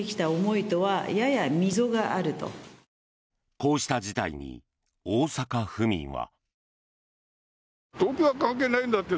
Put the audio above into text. こうした事態に大阪府民は。